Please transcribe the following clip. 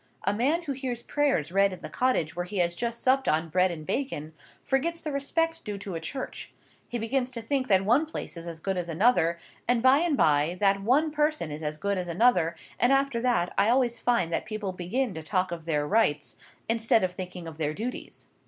A man who hears prayers read in the cottage where he has just supped on bread and bacon, forgets the respect due to a church: he begins to think that one place is as good as another, and, by and by, that one person is as good as another; and after that, I always find that people begin to talk of their rights, instead of thinking of their duties.